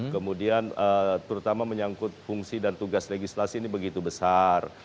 kemudian terutama menyangkut fungsi dan tugas legislasi ini begitu besar